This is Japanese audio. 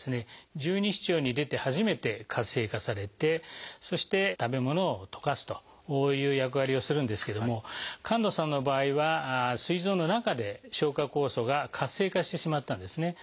十二指腸に出て初めて活性化されてそして食べ物を溶かすという役割をするんですけども神門さんの場合はすい臓の中で消化酵素が活性化してしまったんですね。